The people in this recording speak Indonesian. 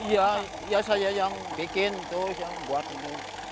iya iya saya yang bikin tuh yang buat ini